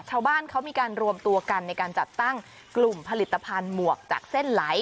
ชาวบ้านเขามีการรวมตัวกันในการจัดตั้งกลุ่มผลิตภัณฑ์หมวกจากเส้นไหล